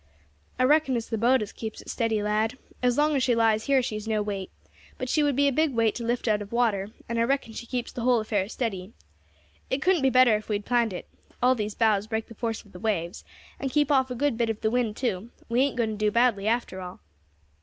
"I reckon it's the boat as keeps it steady, lad. As long as she lies here she is no weight, but she would be a big weight to lift out of water, and I reckon she keeps the whole affair steady. It couldn't be better if we had planned it. All these boughs break the force of the waves, and keep off a good bit of the wind too; we ain't going to do badly after all."